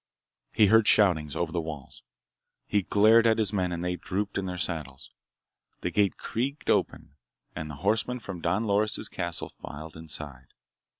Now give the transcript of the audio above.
He heard shoutings, over the walls. He glared at his men and they drooped in their saddles. The gate creaked open and the horsemen from Don Loris' castle filed inside.